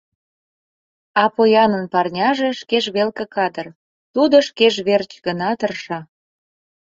— А поянын парняже шкеж велке кадыр, тудо шкеж верч гына тырша...